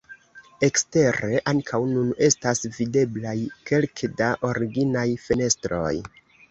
Ekstere ankaŭ nun estas videblaj kelke da originaj fenestroj.